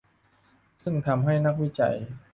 ซึ่งทำให้นักวิจัย